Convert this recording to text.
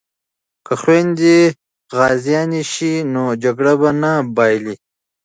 که خویندې غازیانې شي نو جګړه به نه بایلي.